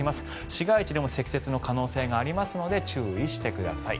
市街地でも積雪に可能性がありますので注意してください。